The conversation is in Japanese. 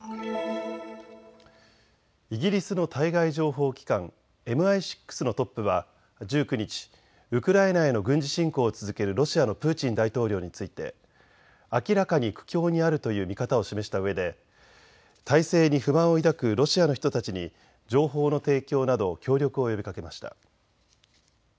イギリスの対外情報機関ＭＩ６のトップは１９日、ウクライナへの軍事侵攻を続けるロシアのプーチン大統領について明らかに苦境にあるという見方を示したうえで体制に不満を抱くロシアの人たちに情報の提供など協力を呼びかけました。